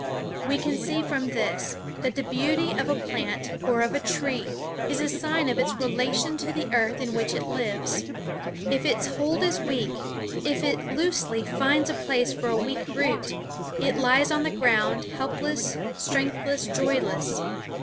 We can see from this, that the beauty of a plant or of a tree is a sign of its relation to the earth in which it lives. If its hold is weak if it loosely finds a place for a weak root it lies on the ground, helpless, strengthless, joyless.